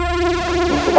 saya membuatkan bumbu